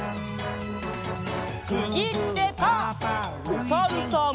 おさるさん。